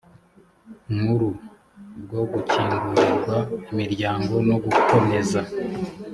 nkuru bwo gukingurirwa imiryango no gukomeza